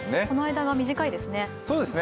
この間が短いですね。